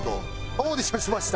オーディションしました。